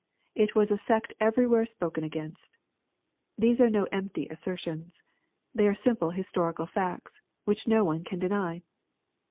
It was a sect everywhere spoken against. — These are no empty assertions. They are simple historical facts, which no one can deny.